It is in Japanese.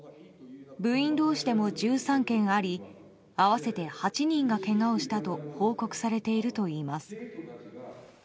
部員同士でも１３件あり合わせて８人がけがをしたと報告されているといいます。